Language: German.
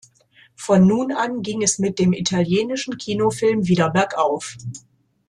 Von nun an ging es mit dem italienischen Kinofilm wieder bergauf.